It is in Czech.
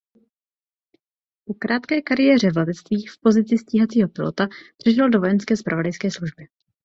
Po krátké kariéře v letectví v pozici stíhacího pilota přešel do Vojenské zpravodajské služby.